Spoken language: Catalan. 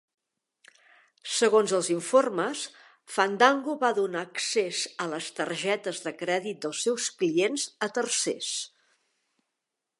Segons els informes, Fandango va donar accés a les targetes de crèdit dels seus clients a tercers.